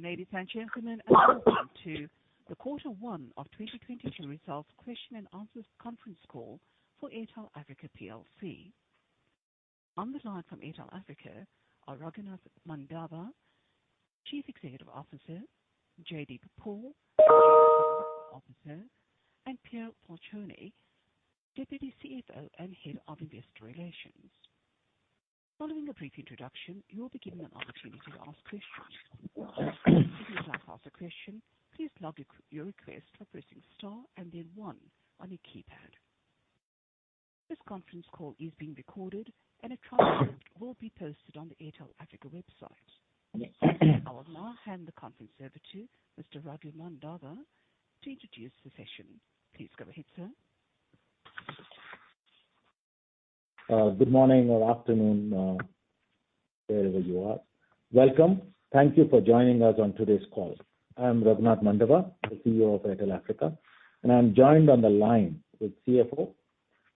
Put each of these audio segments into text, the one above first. Good morning, ladies and gentlemen. Welcome to the quarter one of 2022 results question and answers conference call for Airtel Africa plc. On the line from Airtel Africa are Raghunath Mandava, Chief Executive Officer; Jaideep Paul, Chief Financial Officer; and Pier Falcione, Deputy CFO and Head of Investor Relations. Following a brief introduction, you will be given an opportunity to ask questions. If you would like to ask a question, please log your request by pressing star and then one on your keypad. This conference call is being recorded and a transcript will be posted on the Airtel Africa website. I will now hand the conference over to Mr. Raghunath Mandava to introduce the session. Please go ahead, sir. Good morning or afternoon, wherever you are. Welcome. Thank you for joining us on today's call. I am Raghunath Mandava, the CEO of Airtel Africa, and I'm joined on the line with CFO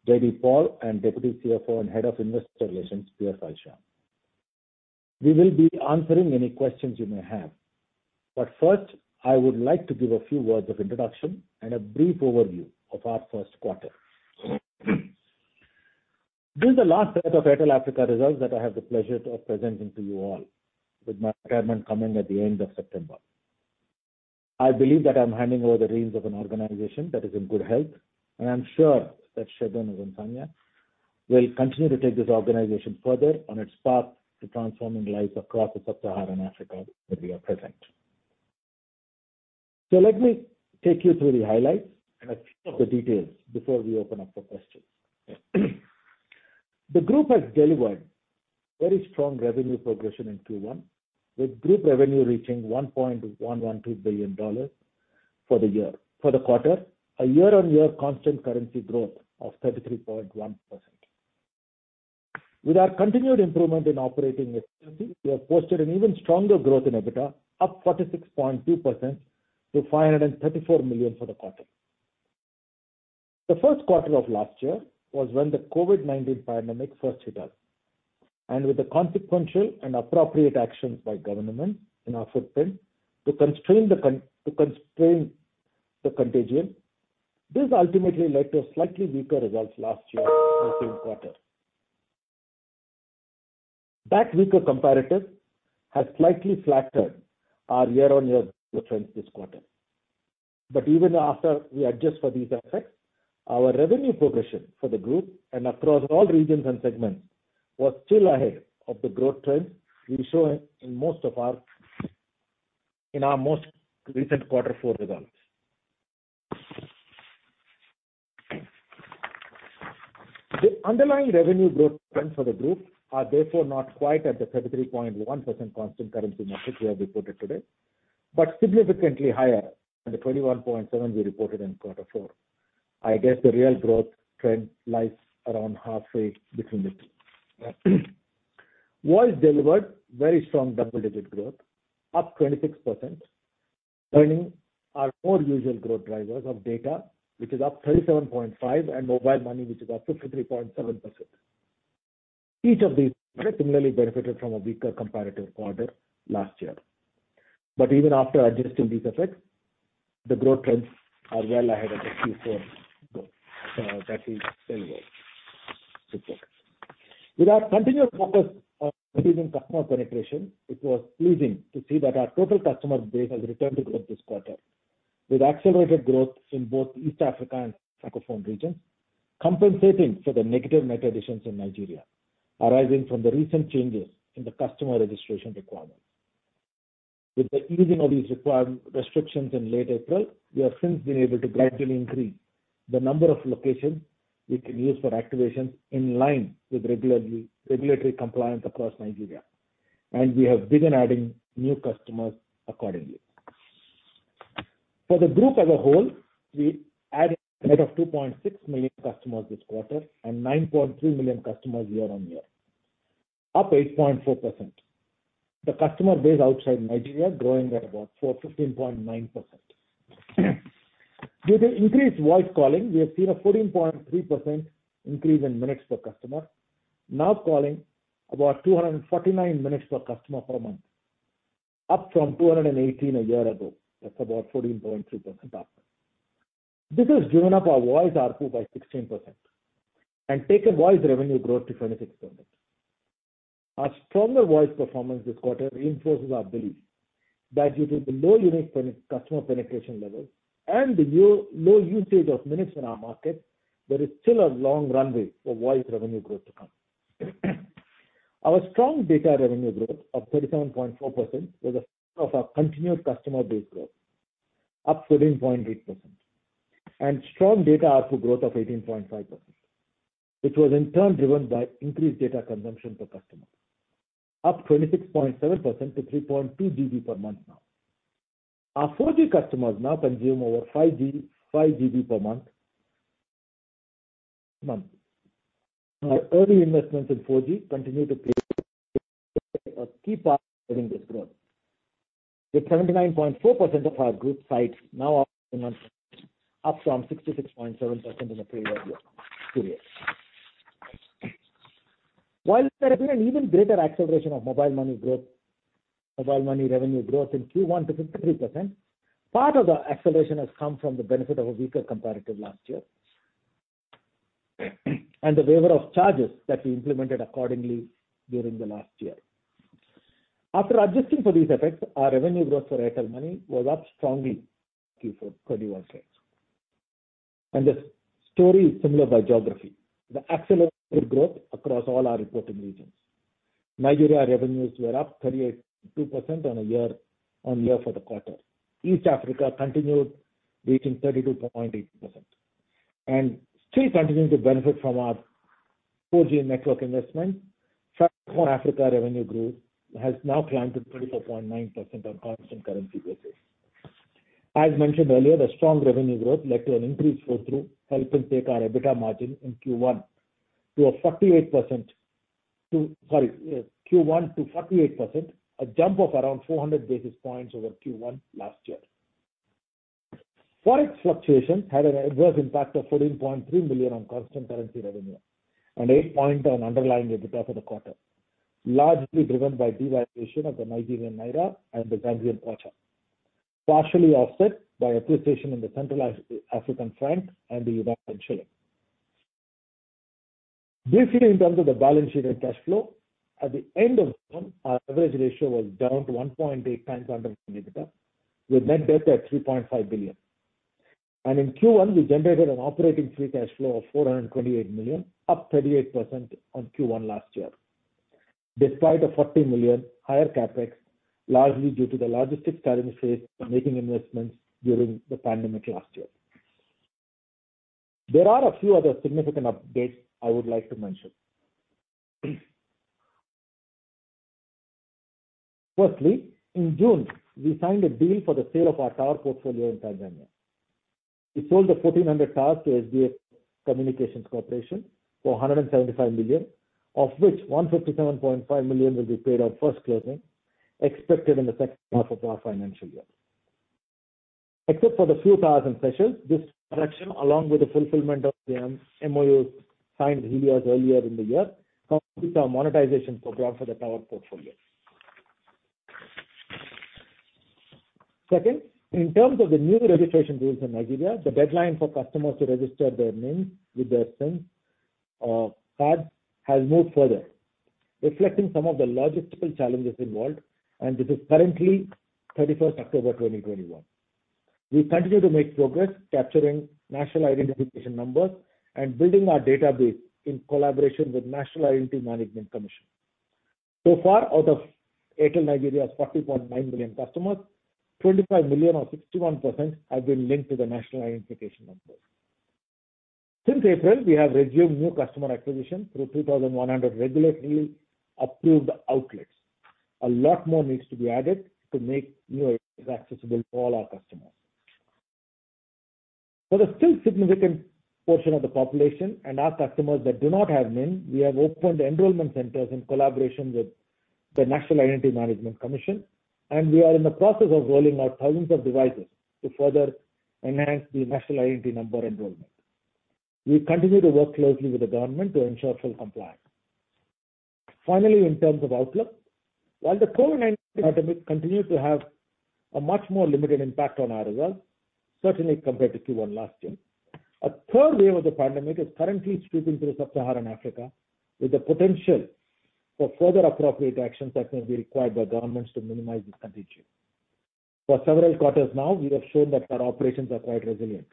Jaideep Paul and Deputy CFO and Head of Investor Relations, Pier Falcione. We will be answering any questions you may have. First, I would like to give a few words of introduction and a brief overview of our first quarter. This is the last set of Airtel Africa results that I have the pleasure of presenting to you all with my retirement coming at the end of September. I believe that I'm handing over the reins of an organization that is in good health. I'm sure that Segun Ogunsanya will continue to take this organization further on its path to transforming lives across the sub-Saharan Africa where we are present. Let me take you through the highlights and a few of the details before we open up for questions. The Group has delivered very strong revenue progression in Q1, with Group revenue reaching $1.112 billion for the quarter, a year-on-year constant currency growth of 33.1%. With our continued improvement in operating efficiency, we have posted an even stronger growth in EBITDA, up 46.2% to $534 million for the quarter. The first quarter of last year was when the COVID-19 pandemic first hit us, and with the consequential and appropriate actions by government in our footprint to constrain the contagion, this ultimately led to slightly weaker results last year in the same quarter. That weaker comparative has slightly flattered our year-on-year growth trends this quarter. Even after we adjust for these effects, our revenue progression for the Group and across all regions and segments was still ahead of the growth trends we saw in our most recent quarter four results. The underlying revenue growth trends for the Group are therefore not quite at the 33.1% constant currency metric we have reported today, but significantly higher than the 21.7% we reported in quarter four. I guess the real growth trend lies around halfway between the two. Voice delivered very strong double-digit growth, up 26%, earning our core usual growth drivers of data, which is up 37.5%, and mobile money, which is up 53.7%. Each of these products similarly benefited from a weaker comparative quarter last year. Even after adjusting these effects, the growth trends are well ahead of the Q4 growth that we delivered. With our continuous focus on increasing customer penetration, it was pleasing to see that our total customer base has returned to growth this quarter, with accelerated growth in both East Africa and Francophone regions, compensating for the negative net additions in Nigeria, arising from the recent changes in the customer registration requirements. With the easing of these restrictions in late April, we have since been able to gradually increase the number of locations we can use for activation in line with regulatory compliance across Nigeria, and we have begun adding new customers accordingly. For the Group as a whole, we added a net of 2.6 million customers this quarter and 9.3 million customers year-on-year, up 8.4%. The customer base outside Nigeria growing at about 15.9%. Due to increased voice calling, we have seen a 14.3% increase in minutes per customer, now calling about 249 minutes per customer per month, up from 218 minutes a year ago. That's about 14.3% up. This has driven up our voice ARPU by 16%, and taken voice revenue growth to 26%. Our stronger voice performance this quarter reinforces our belief that due to the low unique customer penetration levels and the low usage of minutes in our market, there is still a long runway for voice revenue growth to come. Our strong data revenue growth of 37.4% was a result of our continued customer base growth, up 14.8%, and strong data ARPU growth of 18.5%, which was in turn driven by increased data consumption per customer, up 26.7% to 3.2 GB per month now. Our 4G customers now consume over 5 GB per month. Our early investments in 4G continue to play a key part in driving this growth, with 79.4% of our Group sites now offering 4G, up from 66.7% in the prior period. While there have been an even greater acceleration of mobile money revenue growth in Q1 to 53%, part of the acceleration has come from the benefit of a weaker comparative last year, and the waiver of charges that we implemented accordingly during the last year. After adjusting for these effects, our revenue growth for Airtel Money was up strongly Q4 31%. The story is similar by geography. We have accelerated growth across all our reporting regions. Nigeria revenues were up 32% on year for the quarter. East Africa continued, reaching 32.8%. Still continuing to benefit from our 4G network investment, Africa revenue growth has now climbed to 24.9% on constant currency basis. As mentioned earlier, the strong revenue growth led to an increased flow-through, helping take our EBITDA margin in Q1 to 48%, a jump of around 400 basis points over Q1 last year. ForEx fluctuation had an adverse impact of $14.3 million on constant currency revenue and $8.9 million on underlying EBITDA for the quarter, largely driven by devaluation of the Nigerian naira and the Zambian kwacha, partially offset by appreciation in the Central African franc and the Ugandan shilling. Briefly, in terms of the balance sheet and cash flow, at the end of the month, our leverage ratio was down to 1.8x underlying EBITDA, with net debt at $3.5 billion. In Q1, we generated an operating free cash flow of $428 million, up 38% on Q1 last year, despite a $40 million higher CapEx, largely due to the logistics challenge faced making investments during the pandemic last year. There are a few other significant updates I would like to mention. Firstly, in June, we signed a deal for the sale of our tower portfolio in Tanzania. We sold the 1,400 towers to SBA Communications Corporation for $175 million, of which $157.5 million will be paid on first closing, expected in the second half of our financial year. Except for the few towers in session, this transaction, along with the fulfillment of the MOUs signed years earlier in the year, completes our monetization program for the tower portfolio. Second, in terms of the new registration rules in Nigeria, the deadline for customers to register their NINs with their SIM card has moved further, reflecting some of the logistical challenges involved, and it is currently 31st October 2021. We continue to make progress capturing National Identification Numbers and building our database in collaboration with National Identity Management Commission. Out of Airtel Nigeria's 40.9 million customers, 25 million or 61% have been linked to the National Identification Numbers. Since April, we have resumed new customer acquisition through 3,100 regulatory approved outlets. A lot more needs to be added to make new outlets accessible to all our customers. For the still significant portion of the population and our customers that do not have NIN, we have opened enrollment centers in collaboration with the National Identity Management Commission, and we are in the process of rolling out thousands of devices to further enhance the National Identity Number enrollment. We continue to work closely with the government to ensure full compliance. Finally, in terms of outlook, while the COVID-19 pandemic continues to have a much more limited impact on our results, certainly compared to Q1 last year, a third wave of the pandemic is currently sweeping through Sub-Saharan Africa, with the potential for further appropriate actions that may be required by governments to minimize its contagion. For several quarters now, we have shown that our operations are quite resilient.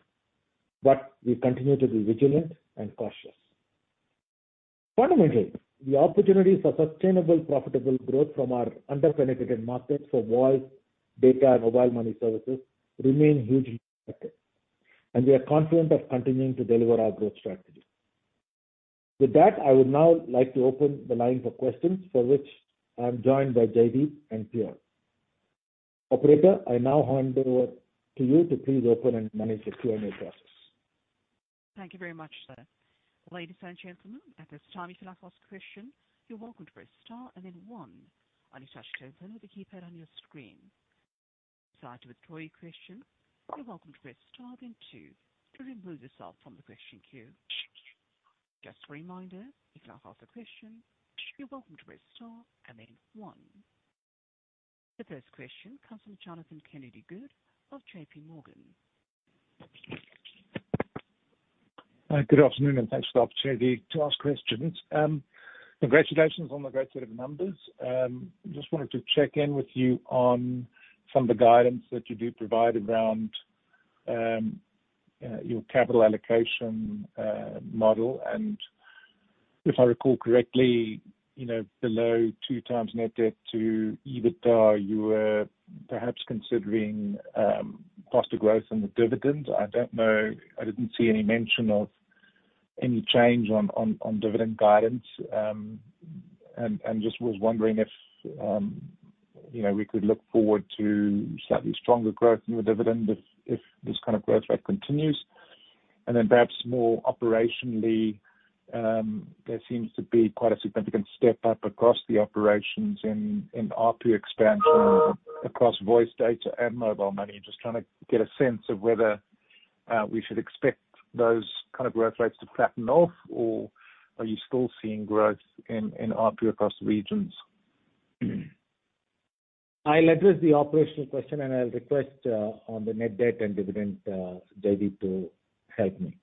We continue to be vigilant and cautious. Fundamentally, the opportunities for sustainable profitable growth from our under-penetrated markets for voice, data, and mobile money services remain hugely attractive, and we are confident of continuing to deliver our growth strategy. With that, I would now like to open the lines of questions for which I am joined by Jaideep and Pier. Operator, I now hand over to you to please open and manage the Q&A process. Thank you very much, sir. Ladies and gentlemen, at this time if you'd like to ask a question, you're welcome to press star and then one on your touch-tone phone or keypad on your screen. If you'd like to withdraw your question, you're welcome to press star then two to remove yourself from the question queue. Just a reminder, if you'd lie to ask a question, you're welcome to press star and then one. The first question comes from Jonathan Kennedy-Good of JPMorgan. Good afternoon, thanks for the opportunity to ask questions. Congratulations on the great set of numbers. Wanted to check in with you on some of the guidance that you do provide around your capital allocation model. If I recall correctly, below 2x net debt to EBITDA, you were perhaps considering faster growth in the dividend. I didn't see any mention of any change on dividend guidance. Was wondering if we could look forward to slightly stronger growth in your dividend if this kind of growth rate continues? Perhaps more operationally, there seems to be quite a significant step-up across the operations in ARPU expansion across voice, data, and mobile money. Trying to get a sense of whether we should expect those kind of growth rates to flatten off, or are you still seeing growth in ARPU across the regions? I'll address the operational question, and I'll request on the net debt and dividend, Jaideep to help me.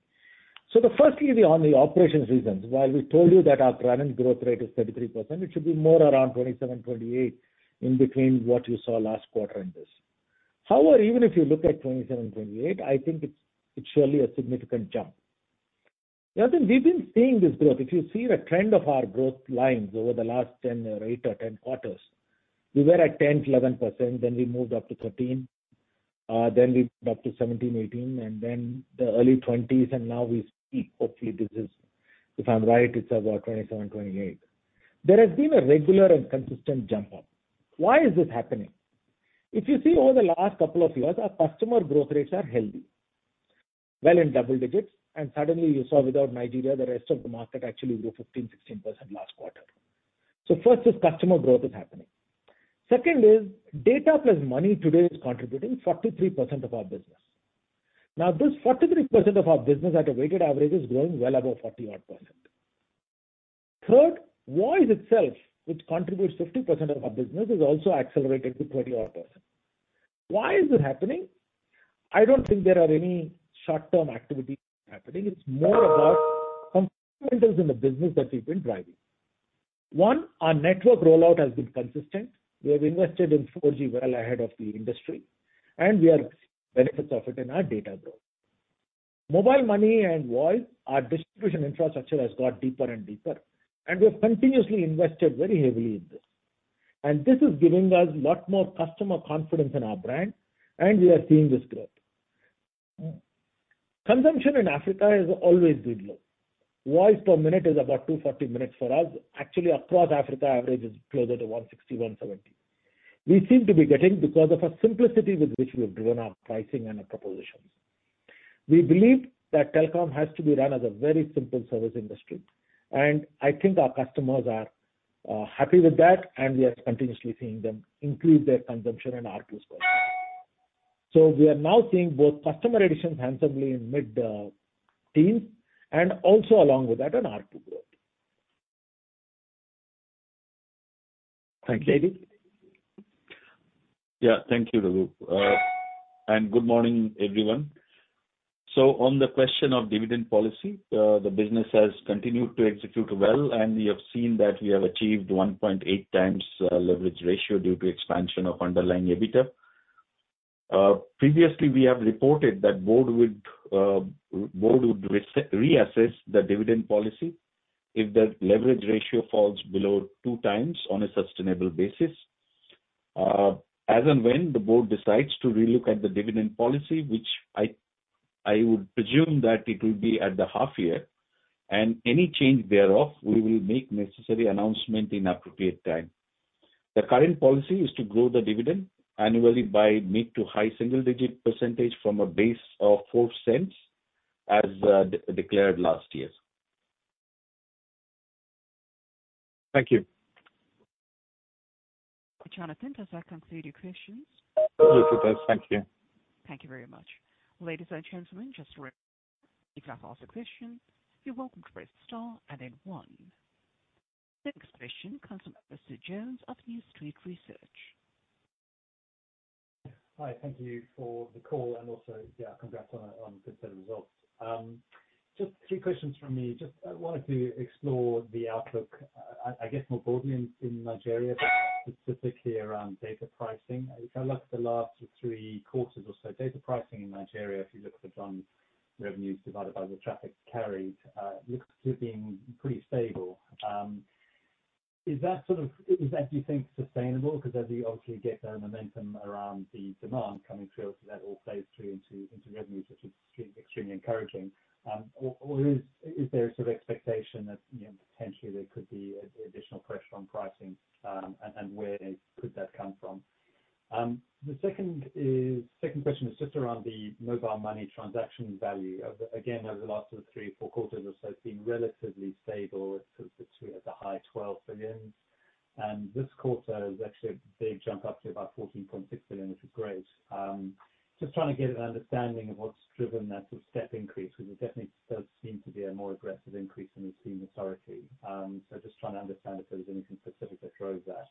Firstly on the operations reasons, while we told you that our current growth rate is 33%, it should be more around 27%, 28%, in between what you saw last quarter and this. However, even if you look at 27%, 28%, I think it's surely a significant jump. Jonathan, we've been seeing this growth. If you see the trend of our growth lines over the last eight or 10 quarters, we were at 10%, 11%. Then, we moved up to 13%. Then, we moved up to 17%, 18% and then the early 20s. Now, we see, hopefully this is, if I'm right, it's about 27%, 28%. There has been a regular and consistent jump up. Why is this happening? If you see over the last couple of years, our customer growth rates are healthy, well in double digits. Suddenly you saw without Nigeria, the rest of the market actually grew 15%, 16% last quarter. First, this customer growth is happening. Second is data plus money today is contributing 43% of our business. Now, this 43% of our business at a weighted average is growing well above 40-odd percent. Third, voice itself, which contributes 50% of our business, is also accelerated to 30-odd percent. Why is this happening? I don't think there are any short-term activities happening. It's more about fundamentals in the business that we've been driving. One, our network rollout has been consistent. We have invested in 4G well ahead of the industry. We are seeing benefits of it in our data growth. Mobile money and voice, our distribution infrastructure has got deeper and deeper. We have continuously invested very heavily in this. This is giving us lot more customer confidence in our brand, and we are seeing this growth. Consumption in Africa has always been low. Voice per minute is about 240 minutes for us. Actually, across Africa, average is closer to 160 minutes, 170 minutes. We seem to be getting because of a simplicity with which we have driven our pricing and our propositions. We believe that telecom has to be run as a very simple service industry, and I think our customers are happy with that, and we are continuously seeing them increase their consumption and ARPU as well. We are now seeing both customer additions handsomely in mid-teens, and also along with that, an ARPU growth. Thank you. Jaideep? Yeah. Thank you, Raghu. Good morning, everyone. On the question of dividend policy, the business has continued to execute well, and we have seen that we have achieved 1.8x leverage ratio due to expansion of underlying EBITDA. Previously, we have reported that Board would reassess the dividend policy if the leverage ratio falls below 2x on a sustainable basis. As and when the Board decides to relook at the dividend policy, which I would presume that it will be at the half year, and any change thereof, we will make necessary announcement in appropriate time. The current policy is to grow the dividend annually by mid- to high single-digit percentage from a base of $0.04 as declared last year. Thank you. Jonathan, does that conclude your questions? It does. Thank you. Thank you very much. Ladies and gentlemen, just to remind you, if you'd like to ask a question, you're welcome to press star and then one. Next question comes from Alastair Jones of New Street Research. Hi. Thank you for the call, and also, yeah, congrats on good set of results. Three questions from me. Wanted to explore the outlook, I guess more broadly in Nigeria, specifically around data pricing. If I look at the last three quarters or so, data pricing in Nigeria, if you look at the revenues divided by the traffic carried looks to have been pretty stable. Is that do you think sustainable? As you obviously get that momentum around the demand coming through, that all plays through into revenues, which is extremely encouraging. Is there a sort of expectation that potentially there could be additional pressure on pricing? where could that come from? The second question is around the mobile money transaction value. Over the last three or four quarters or so, it's been relatively stable at the high $12 billion. This quarter is actually a big jump up to about $14.6 billion, which is great. Just trying to get an understanding of what's driven that sort of step increase? Because it definitely does seem to be a more aggressive increase than we've seen historically. Just trying to understand if there was anything specific that drove that.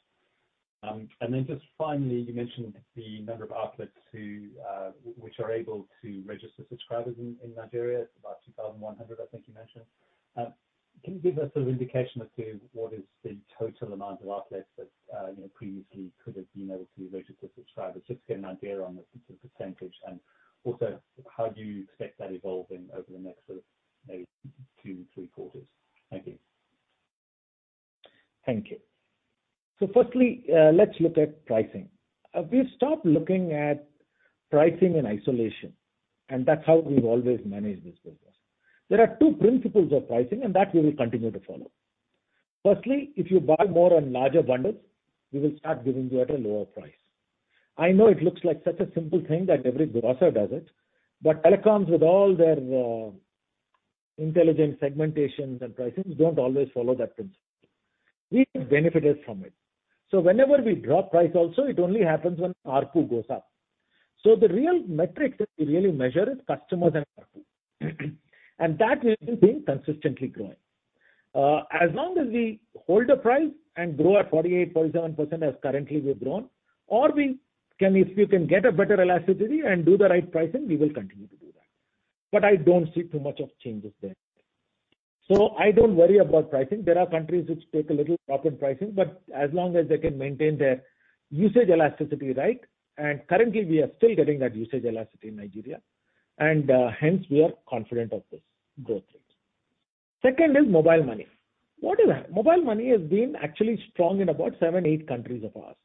Then just finally, you mentioned the number of outlets which are able to register subscribers in Nigeria. It's about 2,100 outlets, I think you mentioned. Can you give us a sort of indication as to what is the total amount of outlets that previously could have been able to register subscribers, just to get an idea on the percentage? Also, how do you expect that evolving over the next sort of maybe two, three quarters? Thank you. Thank you. Firstly, let's look at pricing. We've stopped looking at pricing in isolation, and that's how we've always managed this business. There are two principles of pricing, and that we will continue to follow. Firstly, if you buy more on larger bundles, we will start giving you at a lower price. I know it looks like such a simple thing that every grocer does it, but telecoms with all their intelligent segmentations and pricings don't always follow that principle. We benefited from it. Whenever we drop price also, it only happens when ARPU goes up. The real metric that we really measure is customers and ARPU, and that we've been consistently growing. As long as we hold the price and grow at 48%, 47% as currently we've grown, or if we can get a better elasticity and do the right pricing, we will continue to do that. I don't see too much of changes there. I don't worry about pricing. There are countries which take a little drop in pricing, as long as they can maintain their usage elasticity, right? Currently, we are still getting that usage elasticity in Nigeria, and hence we are confident of this growth rate. Second is mobile money. What is that? Mobile money has been actually strong in about seven, eight countries of ours.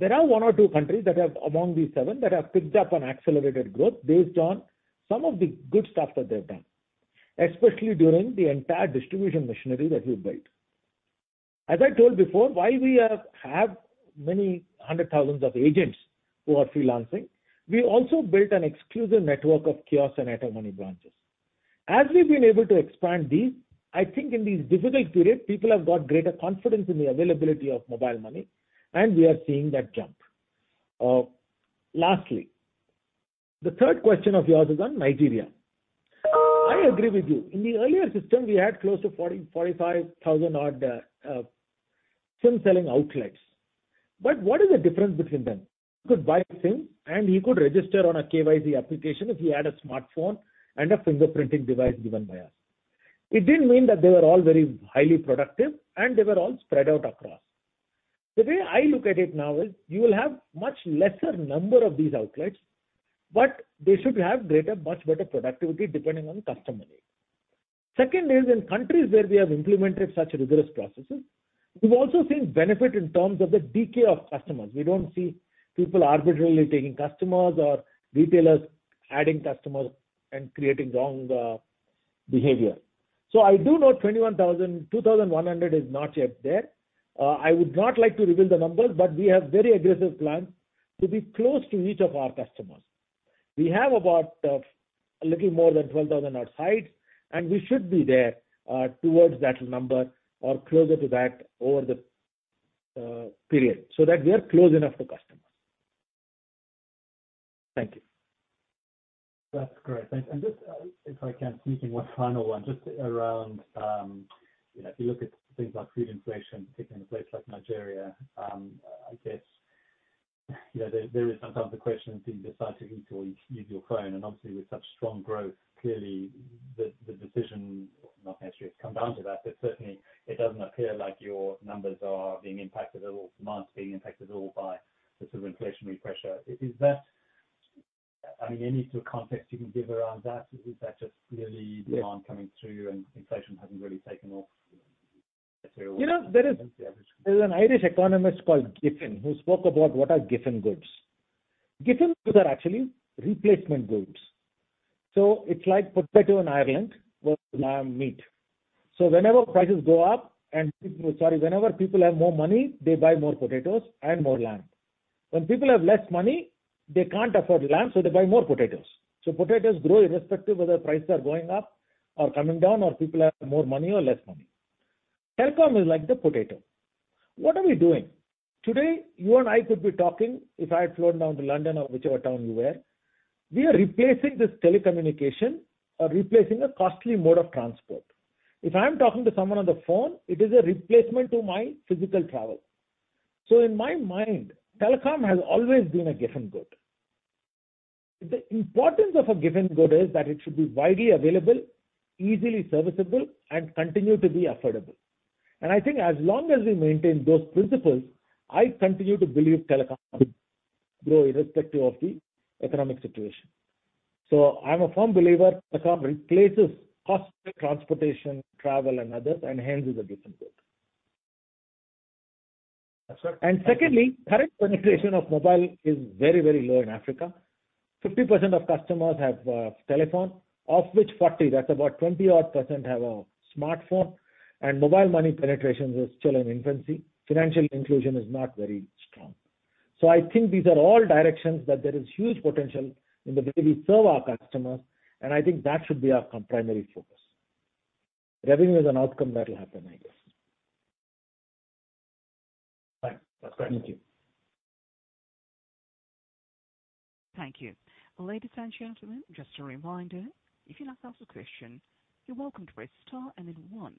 There are one or two countries among these seven that have picked up an accelerated growth based on some of the good stuff that they've done, especially during the entire distribution machinery that we built. As I told before, why we have many hundred thousands of agents who are freelancing. We also built an exclusive network of kiosk and Airtel Money branches. As we've been able to expand these, I think in these difficult periods, people have got greater confidence in the availability of mobile money, and we are seeing that jump. Lastly, the third question of yours is on Nigeria. I agree with you. In the earlier system, we had close to 45,000-odd SIM selling outlets. What is the difference between them? You could buy a SIM, and you could register on a KYC application if you had a smartphone, and a fingerprinting device given by us. It didn't mean that they were all very highly productive, and they were all spread out across. The way I look at it now is you will have much lesser number of these outlets, but they should have greater, much better productivity depending on customer need. Second is in countries where we have implemented such rigorous processes, we've also seen benefit in terms of the decay of customers. We don't see people arbitrarily taking customers or retailers adding customers and creating wrong behavior. I do know 2,100 outlets is not yet there. I would not like to reveal the numbers, but we have very aggressive plans to be close to each of our customers. We have about a little more than 12,000-odd sites, and we should be there towards that number or closer to that over the period so that we are close enough to customers. Thank you. That's great. Just, if I can sneak in one final one, just around, if you look at things like food inflation, particularly in a place like Nigeria, I guess there is sometimes the question of do you decide to eat or use your phone? Obviously with such strong growth, clearly the decision, not necessarily it's come down to that. But certainly it doesn't appear like your numbers are being impacted at all, demand is being impacted at all by the sort of inflationary pressure. Any sort of context you can give around that? Is that just clearly demand coming through and inflation hasn't really taken off? There is an Irish economist called Giffen who spoke about what are Giffen goods. Giffen goods are actually replacement goods. It's like potato in Ireland was lamb meat. Whenever people have more money, they buy more potatoes and more lamb. When people have less money, they can't afford lamb, so they buy more potatoes. Potatoes grow irrespective whether prices are going up or coming down, or people have more money or less money. Telecom is like the potato. What are we doing? Today, you and I could be talking, if I had flown down to London or whichever town you were. We are replacing this telecommunication or replacing a costly mode of transport. If I'm talking to someone on the phone, it is a replacement to my physical travel. In my mind, telecom has always been a Giffen good. The importance of a Giffen good is that it should be widely available, easily serviceable, and continue to be affordable. I think as long as we maintain those principles, I continue to believe telecom will grow irrespective of the economic situation. I'm a firm believer telecom replaces costly transportation, travel, and others, and hence is a Giffen good. That's fair. Secondly, current penetration of mobile is very, very low in Africa. 50% of customers have a telephone, of which 40%, that's about 20-odd percent, have a smartphone. Mobile money penetration is still in infancy. Financial inclusion is not very strong. I think these are all directions that there is huge potential in the way we serve our customers, and I think that should be our primary focus. Revenue is an outcome that will happen, I guess. Right. That's great. Thank you. Thank you. Ladies and gentlemen, just a reminder, if you'd like to ask a question, you're welcome to press star and then one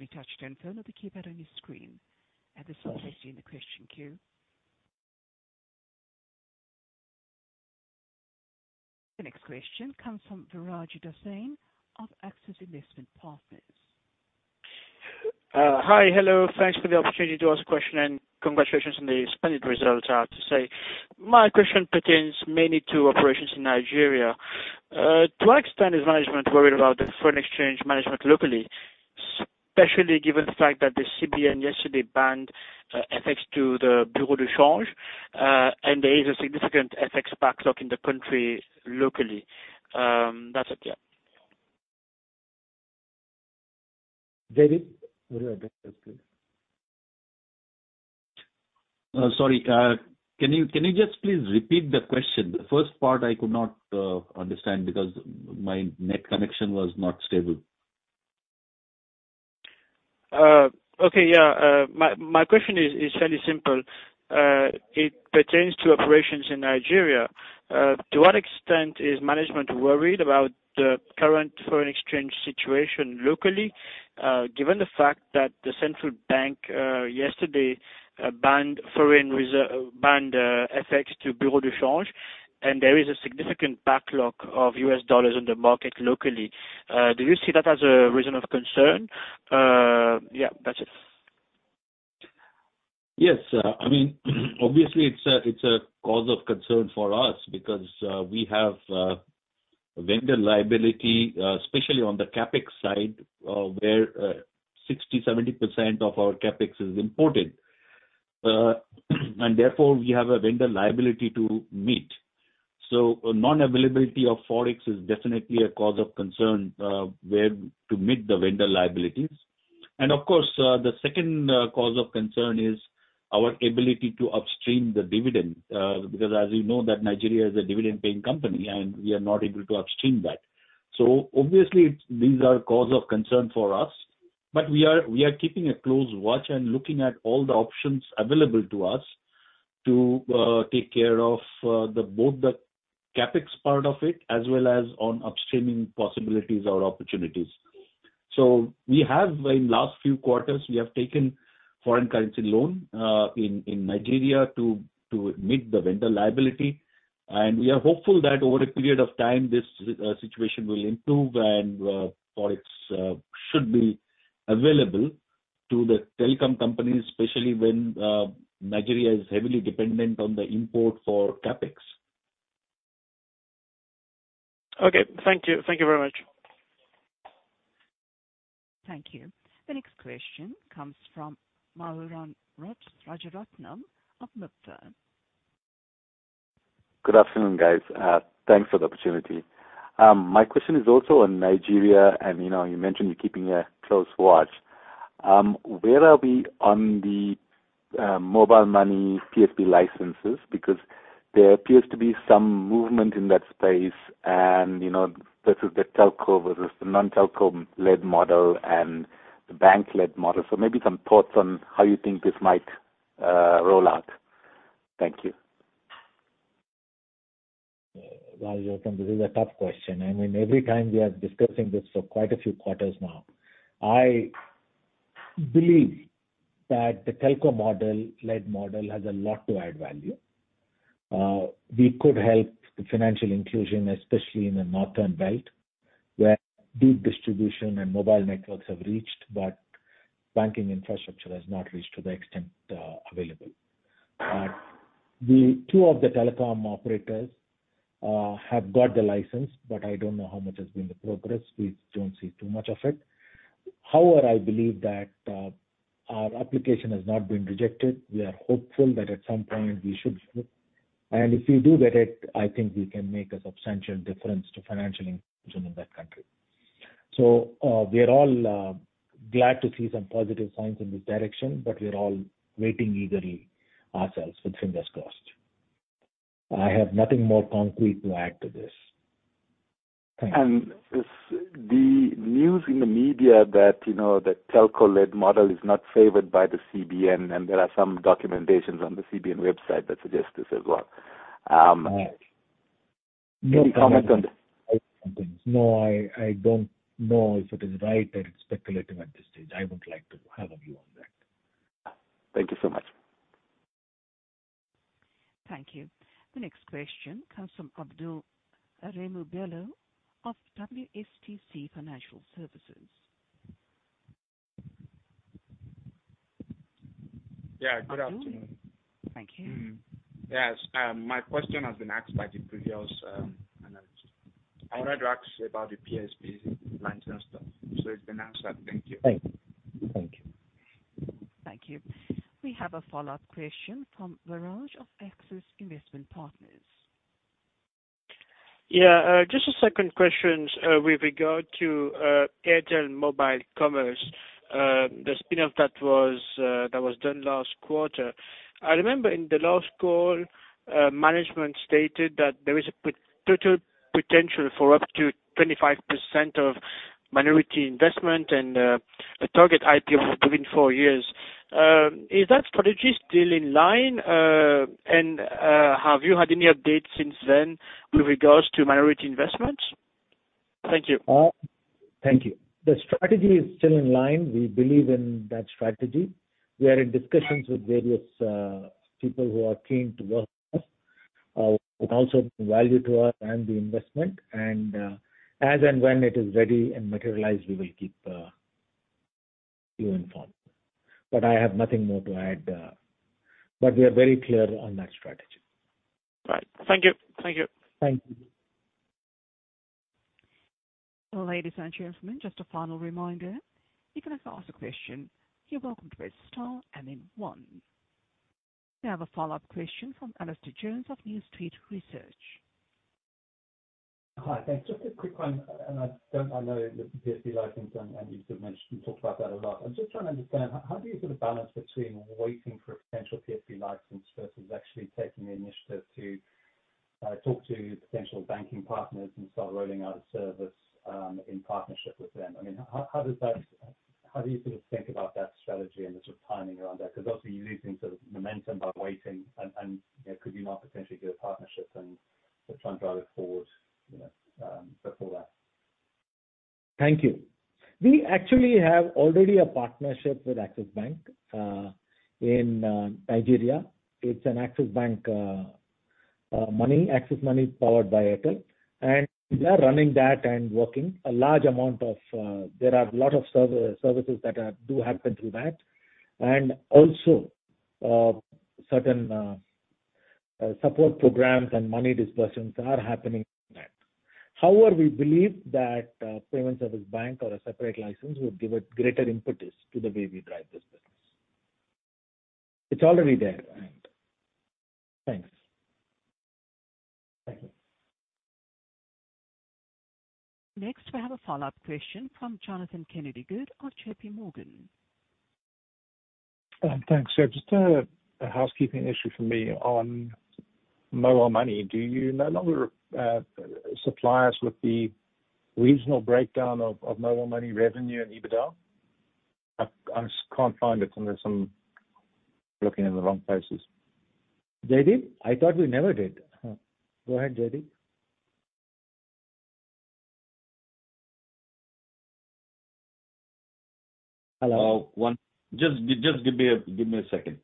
on your touch-tone phone or the keypad on your screen. At this time, I see in the question queue. The next question comes from Viraj Dassyne of Axys Investment Partners. Hi. Hello. Thanks for the opportunity to ask a question, and congratulations on the splendid results, I have to say. My question pertains mainly to operations in Nigeria. To what extent is management worried about the foreign exchange management locally, especially given the fact that the CBN yesterday banned FX to the Bureau de Change, and there is a significant FX backlog in the country locally? That's it, yeah. Jaideep, would you address this, please? Sorry. Can you just please repeat the question? The first part I could not understand because my net connection was not stable. Okay. Yeah. My question is fairly simple. It pertains to operations in Nigeria. To what extent is management worried about the current foreign exchange situation locally, given the fact that the Central Bank, yesterday, banned FX to Bureau de Change, and there is a significant backlog of U.S. dollars on the market locally. Do you see that as a reason of concern? Yeah, that's it. Yes. Obviously, it's a cause of concern for us because we have vendor liability, especially on the CapEx side, where 60%-70% of our CapEx is imported. Therefore, we have a vendor liability to meet. Non-availability of ForEx is definitely a cause of concern to meet the vendor liabilities. Of course, the second cause of concern is our ability to upstream the dividend. Because as you know, Nigeria is a dividend-paying company, and we are not able to upstream that. Obviously, these are cause of concern for us, but we are keeping a close watch and looking at all the options available to us to take care of both the CapEx part of it, as well as on upstreaming possibilities or opportunities. In the last few quarters, we have taken foreign currency loan in Nigeria to meet the vendor liability. We are hopeful that over a period of time, this situation will improve and ForEx should be available to the telecom companies, especially when Nigeria is heavily dependent on the import for CapEx. Okay. Thank you. Thank you very much. Thank you. The next question comes from Myuran Rajaratnam of MIBFA. Good afternoon, guys. Thanks for the opportunity. My question is also on Nigeria, and you mentioned you're keeping a close watch. Where are we on the mobile money PSB licenses? There appears to be some movement in that space, and versus the telco versus the non-telco-led model and the bank-led model. Maybe some thoughts on how you think this might roll out. Thank you. Rajaratnam, this is a tough question. Every time we are discussing this for quite a few quarters now. I believe that the telco-led model has a lot to add value. We could help financial inclusion, especially in the northern belt, where big distribution and mobile networks have reached, but banking infrastructure has not reached to the extent available. Two of the telecom operators have got the license, but I don't know how much has been the progress. We don't see too much of it. I believe that our application has not been rejected. We are hopeful that at some point we should. If we do get it, I think we can make a substantial difference to financial inclusion in that country. We are all glad to see some positive signs in this direction, but we are all waiting eagerly ourselves with fingers crossed. I have nothing more concrete to add to this. Thanks. The news in the media that telco-led model is not favored by the CBN, and there are some documentations on the CBN website that suggest this as well. Any comment on this? No, I don't know if it is right or it's speculative at this stage. I wouldn't like to have a view on that. Thank you so much. Thank you. The next question comes from Abdul Aremu Bello of WSTC Financial Services. Yeah, good afternoon. Abdul. Thank you. Yes. My question has been asked by the previous analyst. I wanted to ask about the PSB license stuff. It's been answered. Thank you. Thank you. Thank you. We have a follow-up question from Viraj of Axys Investment Partners. Yeah, just a second question with regard to Airtel Mobile Commerce, the spin-off that was done last quarter. I remember in the last call, management stated that there is a total potential for up to 25% of minority investment and a target IPO within four years. Is that strategy still in line? Have you had any updates since then with regards to minority investment? Thank you. Thank you. The strategy is still in line. We believe in that strategy. We are in discussions with various people who are keen to work with us, who can also bring value to us and the investment. As and when it is ready and materialized, we will keep you informed. I have nothing more to add, but we are very clear on that strategy. Right. Thank you. Thank you. Ladies and gentlemen, just a final reminder. If you would like to ask a question, you're welcome to press star and then one. We have a follow-up question from Alastair Jones of New Street Research. Hi, thanks. Just a quick one. I know the PSB licensing, you sort of mentioned, you talked about that a lot. I'm just trying to understand. How do you sort of balance between waiting for a potential PSB license versus actually taking the initiative to talk to potential banking partners and start rolling out a service in partnership with them? How do you sort of think about that strategy and the sort of timing around that? Obviously, you're losing sort of momentum by waiting and could you not potentially get a partnership and try and drive it forward, before that. Thank you. We actually have already a partnership with Access Bank in Nigeria. It's an Access Bank, Access Money powered by Airtel, and we are running that. There are a lot of services that do happen through that. Also, certain support programs and money disbursements are happening in that. However, we believe that a payment service bank or a separate license would give a greater impetus to the way we drive this business. It's already there. Thanks. Next, we have a follow-up question from Jonathan Kennedy-Good of JPMorgan. Thanks. Yeah, just a housekeeping issue for me on mobile money. Do you no longer supply us with the regional breakdown of mobile money revenue and EBITDA? I just can't find it, unless I'm looking in the wrong places. Jaideep, I thought we never did. Go ahead, Jaideep. Hello. Just give me a second.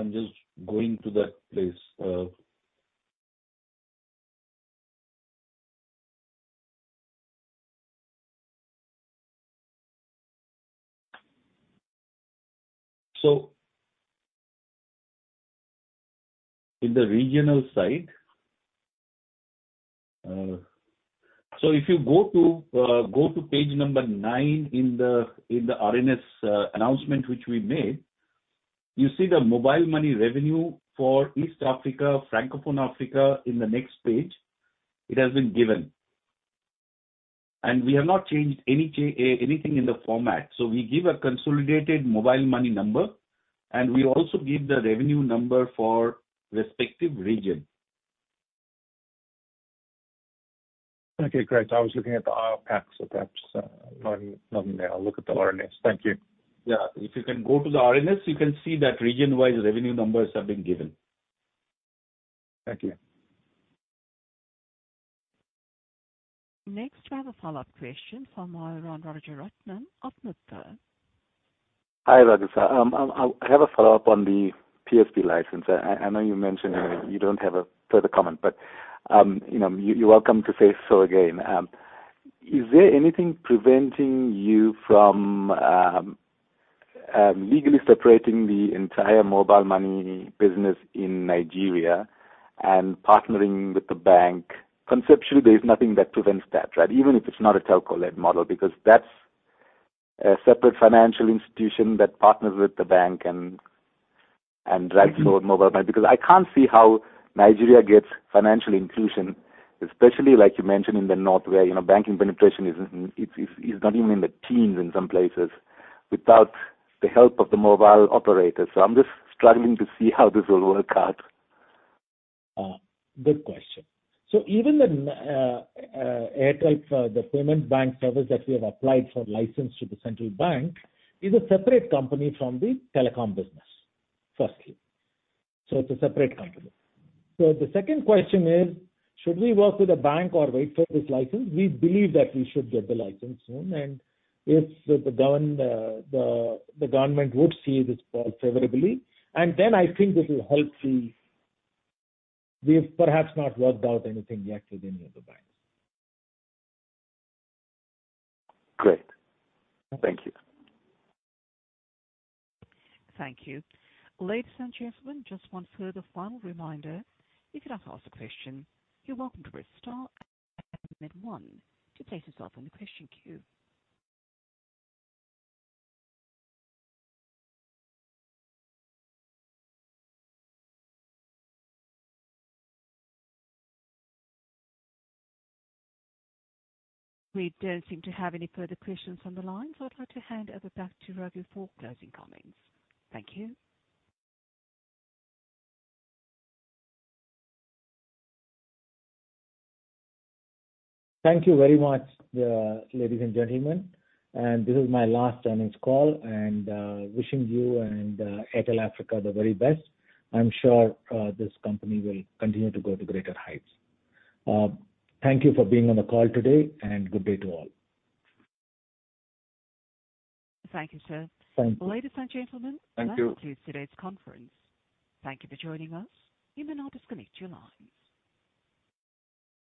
I'm just going to that place. In the regional side, if you go to page number nine in the RNS announcement which we made, you see the mobile money revenue for East Africa, Francophone Africa in the next page, it has been given. We have not changed anything in the format. We give a consolidated mobile money number, and we also give the revenue number for respective regions. Okay, great. I was looking at the IR packs. Perhaps not in there. I'll look at the RNS. Thank you. Yeah. If you can go to the RNS, you can see that region-wide revenue numbers have been given. Thank you. Next, we have a follow-up question from Myuran Rajaratnam of MIBFA. Hi, Raghu. I have a follow-up on the PSB license. I know you mentioned you don't have a further comment, but you're welcome to say so again. Is there anything preventing you from legally separating the entire mobile money business in Nigeria and partnering with the bank? Conceptually, there's nothing that prevents that, right? Even if it's not a telco-led model, because that's a separate financial institution that partners with the bank and drives forward mobile money. Because I can't see how Nigeria gets financial inclusion, especially like you mentioned in the North where banking penetration is not even in the teens in some places, without the help of the mobile operators. I'm just struggling to see how this will work out? Good question. Even the Airtel's, the payment bank service that we have applied for license to the Central Bank, is a separate company from the telecom business, firstly. It's a separate company. The second question is, should we work with a bank or wait for this license? We believe that we should get the license soon, and if the government would see this call favorably, and then I think this will help. We've perhaps not worked out anything yet with any of the banks. Great. Thank you. Thank you. Ladies and gentlemen, just one further final reminder, if you'd like to ask a question, you're welcome to press star and then one to place yourself in the question queue. We don't seem to have any further questions on the line, so I'd like to hand over back to Raghu for closing comments. Thank you. Thank you very much, ladies and gentlemen. This is my last earnings call, and wishing you and Airtel Africa the very best. I'm sure this company will continue to go to greater heights. Thank you for being on the call today, and good day to all. Thank you, sir. Thank you. Ladies and gentlemen. Thank you. That concludes today's conference. Thank you for joining us. You may now disconnect your lines.